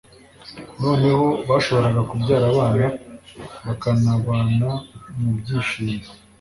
noneho bashoboraga kubyara abana bakanabana mu byishimo.